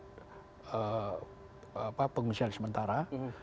tempat pengusaha sementara